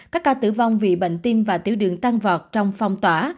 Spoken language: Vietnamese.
các ca tử vong vì bệnh tim và tiểu đường tăng vọt trong phong tỏa